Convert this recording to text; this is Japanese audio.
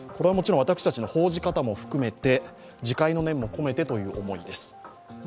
もちろん私たちの報じ方も含めて、自戒の念も込めてという意味です。